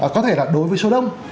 có thể là đối với số đông